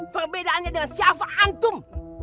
perbedaannya dengan siapa antum